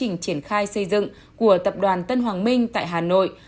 trình triển khai xây dựng của tập đoàn tân hoàng minh tại hà nội